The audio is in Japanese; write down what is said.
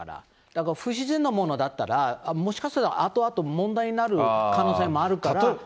だから不自然なものだったら、もしかするとあとあと問題になる可能性もあるから。